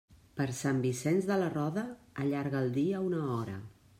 Per Sant Vicent de la Roda, allarga el dia una hora.